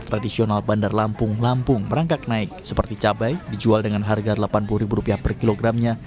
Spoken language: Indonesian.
tradisional bandar lampung lampung merangkak naik seperti cabai dijual dengan harga rp delapan puluh per kilogramnya